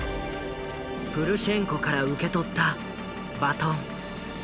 プルシェンコから受け取ったバトン。